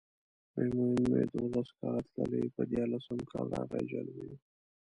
مومن مې دولس کاله تللی پر دیارلسم کال راغی اجل ونیو.